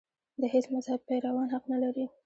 د هېڅ مذهب پیروان حق نه لري.